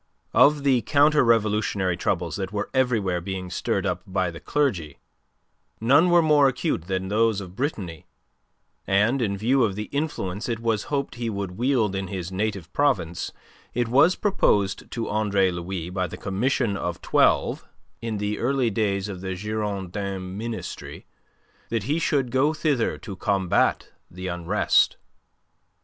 Of the counter revolutionary troubles that were everywhere being stirred up by the clergy, none were more acute than those of Brittany, and, in view of the influence it was hoped he would wield in his native province, it was proposed to Andre Louis by the Commission of Twelve, in the early days of the Girondin ministry, that he should go thither to combat the unrest.